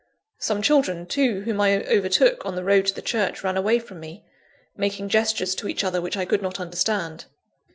Some children, too, whom I overtook on the road to the church, ran away from me, making gestures to each other which I could not understand.